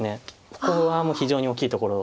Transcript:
ここは非常に大きいところ。